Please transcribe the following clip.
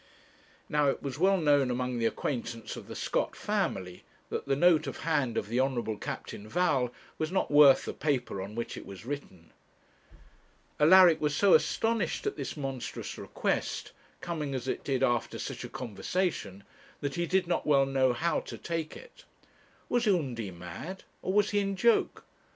Now it was well known among the acquaintance of the Scott family, that the note of hand of the Honourable Captain Val was not worth the paper on which it was written. Alaric was so astonished at this monstrous request, coming as it did after such a conversation, that he did not well know how to take it. Was Undy mad, or was he in joke?